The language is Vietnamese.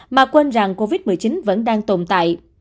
mà quên rằng covid một mươi chín vẫn đang tồn tại